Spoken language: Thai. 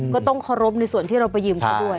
ก็ต้องเคารพในส่วนที่เราไปยืมเขาด้วย